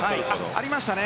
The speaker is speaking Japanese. ありましたね。